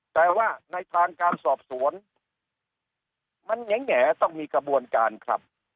แต่ว่าในทางการสอบสวนมันแหงต้องมีกระบวนการครับ